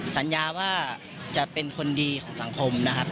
สัญญาว่าจะเป็นคนดีของสังคมนะครับ